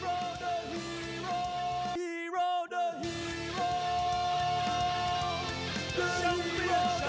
โดยกลับภาษาโดยรัก